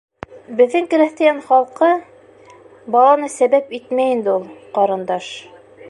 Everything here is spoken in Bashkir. Беҙҙең крәҫтиән халҡы... баланы сәбәп итмәй инде ул, ҡарындаш...